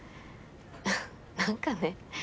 何かね。